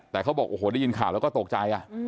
แต่เขาบอกโอ้โหได้ยินข่าวแล้วก็ตกใจ